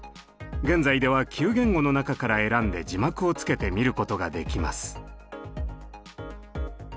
現在では９言語の中から選んで字幕をつけて見ることができます。